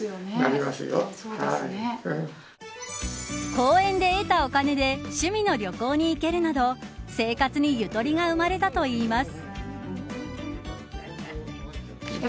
講演で得たお金で趣味の旅行に行けるなど生活にゆとりが生まれたといいます。